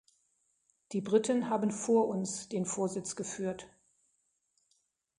Die Briten haben vor uns den Vorsitz geführt.